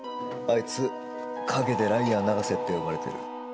あいつ陰でライアー永瀬って呼ばれてる。